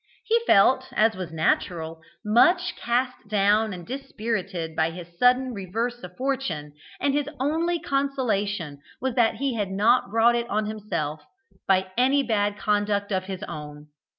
He felt, as was natural, much cast down and dispirited by his sudden reverse of fortune, and his only consolation was that he had not brought it on himself by any bad conduct of his own.